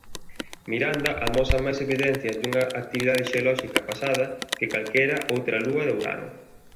Miranda amosa máis evidencias dunha actividade xeolóxica pasada que calquera outra lúa de Urano.